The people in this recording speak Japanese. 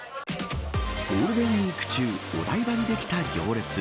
ゴールデンウイーク中にお台場にできた行列。